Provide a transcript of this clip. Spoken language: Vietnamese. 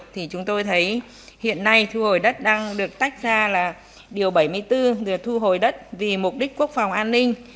thì chúng tôi thấy hiện nay thu hồi đất đang được tách ra là điều bảy mươi bốn là thu hồi đất vì mục đích quốc phòng an ninh